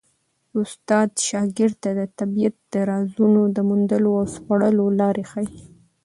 استاد شاګرد ته د طبیعت د رازونو د موندلو او سپړلو لاره ښيي.